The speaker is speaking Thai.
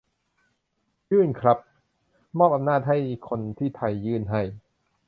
ยื่นครับ มอบอำนาจให้คนที่ไทยยื่นให้